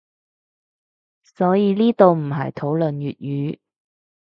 所以呢度唔係討論粵語